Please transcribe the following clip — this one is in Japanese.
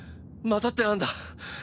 「また」ってなんだ？